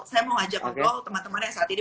saya mau ngajak untuk teman teman yang saat ini